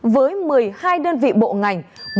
với một mươi hai đơn vị bộ ngành